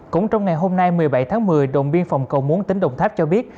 cũng trong ngày hôm nay một mươi bảy tháng một mươi đồn biên phòng cầu muốn tỉnh đồng tháp cho biết